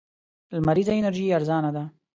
لمريزه انرژي ارزانه ده.